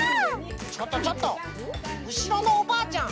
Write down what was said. ちょっとちょっとうしろのおばあちゃん